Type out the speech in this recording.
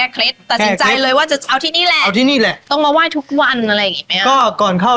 ก็ออกก่อนที่คอลลาร์ก่อนแต่นี้ทุกวันมองไป